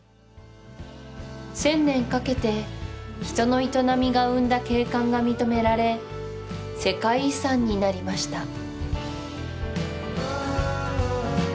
１０００年かけて人の営みが生んだ景観が認められ世界遺産になりました